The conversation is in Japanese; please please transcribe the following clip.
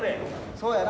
そうやな。